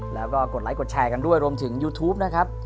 แล้วก็กดไลค์กดแชร์กันด้วยรวมถึงยูทูปนะครับ